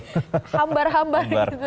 hambar hambar gitu tuh